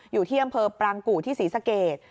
อยู่เสียงเพิร์นปรางกุที่ศรีสะเกด